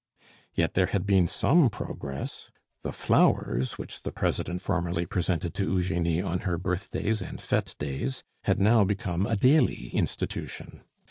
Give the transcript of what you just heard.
Yet there had been some progress. The flowers which the president formerly presented to Eugenie on her birthdays and fete days had now become a daily institution.